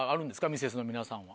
ミセスの皆さんは。